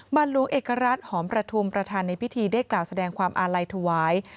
หลวงเอกรัฐหอมประทุมประธานในพิธีได้กล่าวแสดงความอาลัยถวาย